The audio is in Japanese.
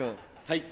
はい。